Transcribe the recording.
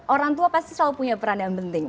orang tua pasti selalu punya peran yang penting